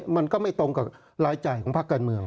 มันก็ไม่ตรงกับรายจ่ายของภาคการเมือง